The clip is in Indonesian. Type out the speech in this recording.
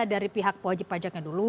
dari pihak wajib pajaknya dulu